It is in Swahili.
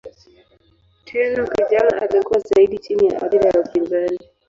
Tenno kijana alikuwa zaidi chini ya athira ya upinzani.